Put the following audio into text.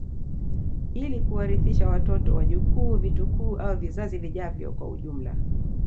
Ili kuwarithisha watoto wajukuu vitukuu au vizazi vijavyo kwa ujumla